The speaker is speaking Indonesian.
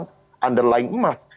yang underlying emas